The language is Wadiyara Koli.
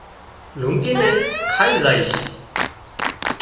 لونڪي نين کائي زائيش